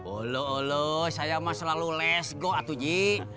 ulu ulu saya mah selalu let's go atu ji